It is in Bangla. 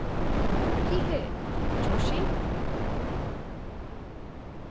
কিহে, যোশি!